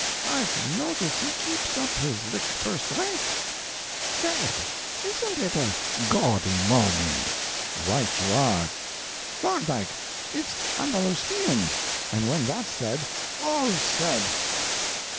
"I've noticed he keeps up his lick first rate. Say—isn't it a gaudy morning?" "Right you are!" "Thorndike, it's Andalusian! and when that's said, all's said."